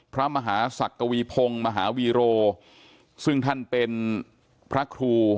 พระมหาศักวีพงศ์มหาวีโรซึ่งท่านเป็นพระครู